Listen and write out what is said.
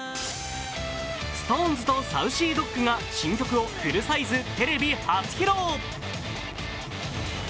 更にＳｉｘＴＯＮＥＳとＳａｕｃｙＤｏｇが新曲がフルサイズ、テレビ初披露。